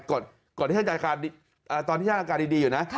ก่อนที่ท่านอาการดีอยู่นะ